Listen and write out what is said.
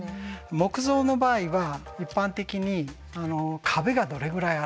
木造の場合は一般的に壁がどれぐらいあるか